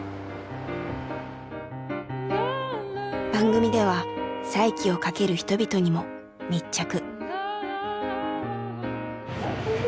番組では再起をかける人々にも密着。